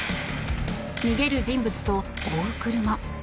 逃げる人物と追う車。